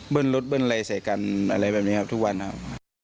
รถเบิ้ลอะไรใส่กันอะไรแบบนี้ครับทุกวันครับ